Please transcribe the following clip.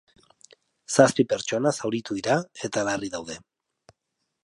Zazpi pertsona zauritu dira, eta larri daude.